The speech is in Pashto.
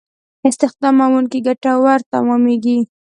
استخداموونکو ګټور تمامېږي.